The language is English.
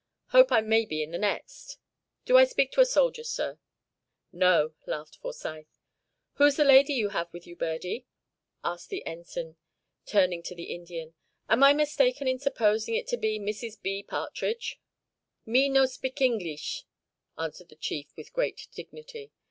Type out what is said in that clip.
Hope I may be in the next. Do I speak to a soldier, sir?" "No," laughed Forsyth. "Who's the lady you have with you, Birdie?" asked the Ensign, turning to the Indian. "Am I mistaken in supposing it to be Mrs. B. Partridge?" "Me no spik Ingleesh," answered the chief, with great dignity.